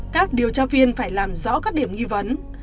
các điều tra viên phải làm rõ các điểm nghi vấn